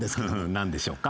何でしょうか。